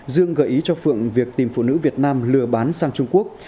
dương gợi ý cho phượng việc tìm phụ nữ việt nam lừa bán sang trung quốc